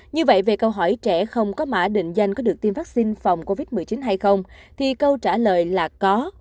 như vậy về câu hỏi trẻ không có mã định danh có được tiêm vaccine phòng covid một mươi chín hay không thì câu trả lời là có